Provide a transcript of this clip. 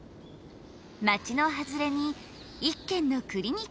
街の外れに一軒のクリニックがある。